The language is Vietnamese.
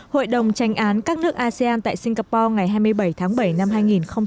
hội đồng tranh án các nước asean tại singapore ngày hai mươi bảy tháng bảy năm hai nghìn hai mươi